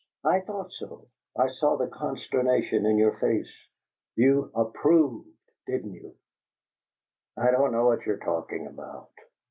"I thought so. I saw the consternation in your face! You APPROVED, didn't you?" "I don't know what you're talking about!"